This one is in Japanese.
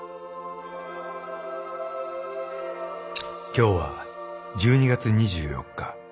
［今日は１２月２４日］